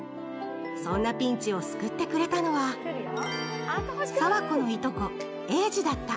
そんなピンチを救ってくれたのは爽子のいとこ・えーじだった。